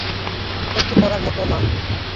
সহ্য করার মত না।